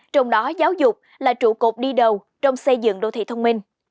trong đó giáo dục là trụ cột đi đầu trong xây dựng đô thị thông minh